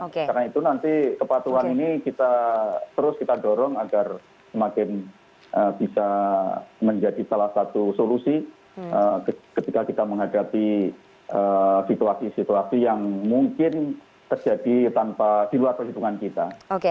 karena itu nanti kepatuan ini kita terus kita dorong agar semakin bisa menjadi salah satu solusi ketika kita menghadapi situasi situasi yang mungkin terjadi di luar perhitungan kita